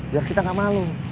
biar kita gak malu